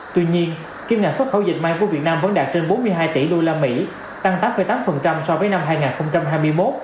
tuy nhiên kim ngạch xuất khẩu dệt may của việt nam vẫn đạt trên bốn mươi hai tỷ usd tăng tám tám so với năm hai nghìn hai mươi một